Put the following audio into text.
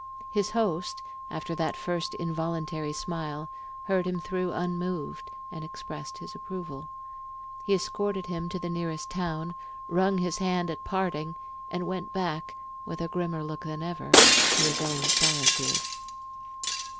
His host, after that first involuntary smile, heard him through unmoved and expressed his approval. He escorted him to the nearest town, wrung his hand at parting, and went back, with a grimmer look than ever, to his own solitude.